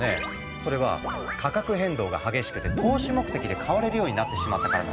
それは価格変動が激しくて投資目的で買われるようになってしまったからなんだ。